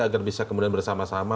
agar bisa kemudian bersama sama